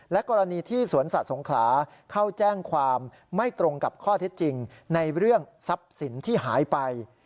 กรณีที่สวนสัตว์สงขลาเข้าแจ้งความไม่ตรงกับข้อเท็จจริงในเรื่องทรัพย์สินที่หายไป